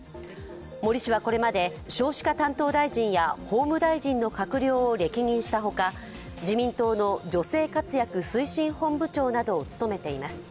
森氏はこれまで、少子化担当大臣や法務大臣の閣僚を歴任したほか自民党の女性活躍推進本部長などを務めています。